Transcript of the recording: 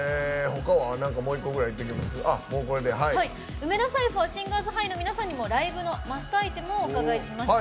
梅田サイファーシンガーズハイの皆さんにもライブのマストアイテムをお伺いしました。